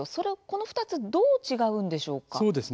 この２つどう違うんでしょうか？